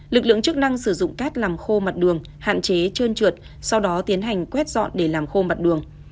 lực lượng chức năng sử dụng cát làm khô mặt đường hạn chế trơn trượt sau đó tiến hành quét dọn để làm khô mặt đường